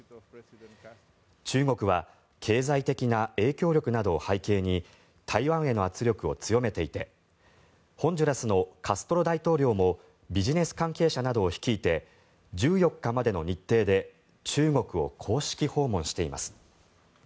中国は経済的な影響力などを背景に台湾への圧力を強めていてホンジュラスのカストロ大統領もビジネス関係者などを率いて１４日までの日程で中国を公式訪問しています。